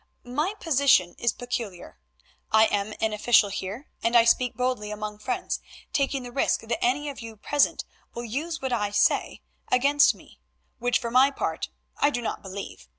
My position is peculiar; I am an official here, and I speak boldly among friends taking the risk that any of you present will use what I say against me, which for my part I do not believe.